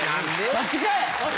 そっちかい！